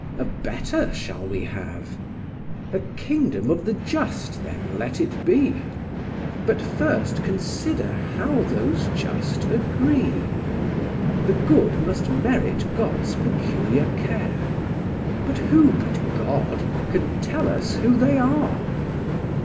A better shall we have? A kingdom of the just then let it be: But first consider how those just agree. The good must merit God's peculiar care: But who, but God, can tell us who they are?